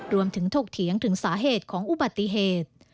ถกเถียงถึงสาเหตุของอุบัติเหตุ